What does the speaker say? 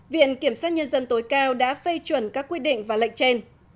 viện kiểm sát nhân dân tối cao đã phê chuẩn các quy định và lệnh trên